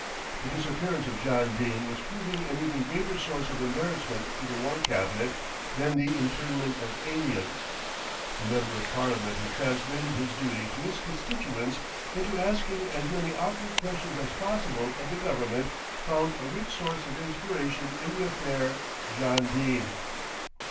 The disappearance of John Dene was proving an even greater source of embarrassment to the War Cabinet than the internment of aliens. The member of parliament who translated his duty to his constituents into asking as many awkward questions as possible of the Government, found a rich source of inspiration in the affaire John Dene.